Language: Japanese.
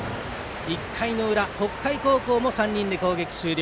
１回の裏、北海高校も３人で攻撃終了。